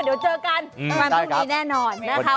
เดี๋ยวเจอกันวันพรุ่งนี้แน่นอนนะคะ